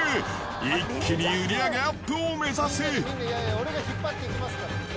一気に売り上げアップを目指す。